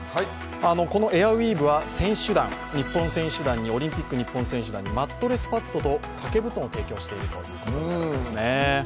このエアウィーブはオリンピック日本選手団にマットレスパッドと掛け布団を提供しているということです。